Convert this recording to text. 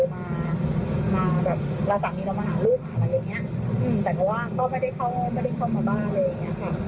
เราตามที่เรามาหาลูกหาอะไรอย่างนี้